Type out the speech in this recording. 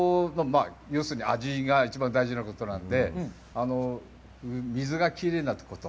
味が一番大事なことなんで、水がきれいなとこと。